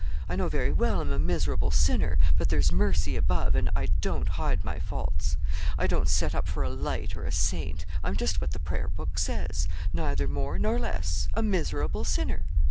I know very well I'm a miserable sinner, but there's mercy above, and I don't hide my faults. I don't set up for a light or a saint; I'm just what the Prayer book says neither more nor less a miserable sinner.